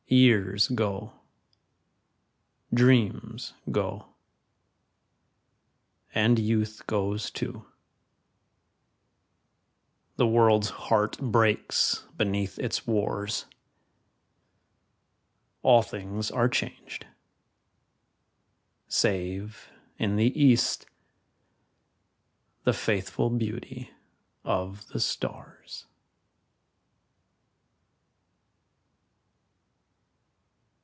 Years go, dreams go, and youth goes too, The world's heart breaks beneath its wars, All things are changed, save in the east The faithful beauty of the stars.